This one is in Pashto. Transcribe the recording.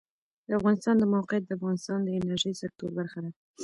د افغانستان د موقعیت د افغانستان د انرژۍ سکتور برخه ده.